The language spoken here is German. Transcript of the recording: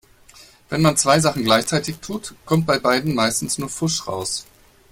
Wenn man zwei Sachen gleichzeitig tut, kommt bei beidem meistens nur Pfusch raus.